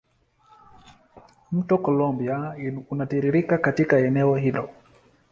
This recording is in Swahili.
Mto Columbia unatiririka katika eneo hilo.